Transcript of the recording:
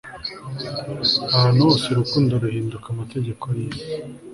ahantu hose urukundo ruhinduka amategeko yisi